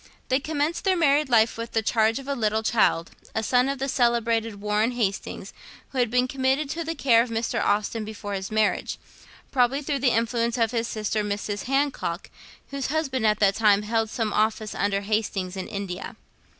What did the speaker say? They commenced their married life with the charge of a little child, a son of the celebrated Warren Hastings, who had been committed to the care of Mr. Austen before his marriage, probably through the influence of his sister, Mrs. Hancock, whose husband at that time held some office under Hastings in India.